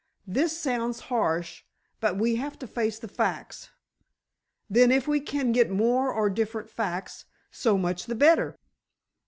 This sounds harsh, but we have to face the facts. Then, if we can get more or different facts, so much the better."